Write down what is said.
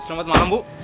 selamat malam bu